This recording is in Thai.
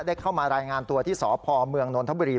เข้ามารายงานตัวที่สพเมืองนนทบุรี